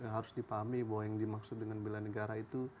harus dipahami bahwa yang dimaksud dengan bela negara itu